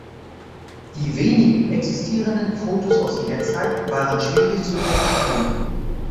Die wenigen existierenden Fotos aus jener Zeit waren schwierig zu interpretieren.